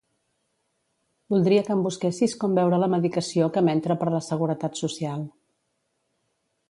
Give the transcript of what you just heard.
Voldria que em busquessis com veure la medicació que m'entra per la Seguretat Social.